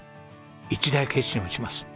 一大決心をします。